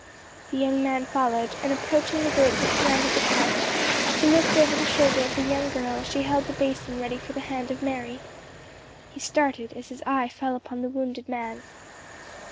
The young man followed, and approaching the group that surrounded the couch, he looked over the shoulder of the young girl as she held the basin ready for the hand of Mary. He started as his eye fell upon the wounded man.